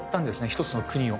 １つの国を。